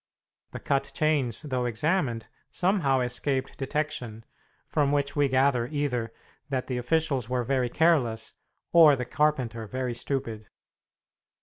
The cut chains, though examined, somehow escaped detection, from which we gather either that the officials were very careless, or the carpenter very stupid.